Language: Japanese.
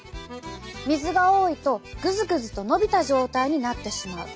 水が多いとぐずぐずとのびた状態になってしまう。